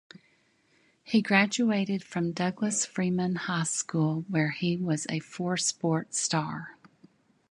He graduated from Douglas Freeman High School where he was a four-sport star.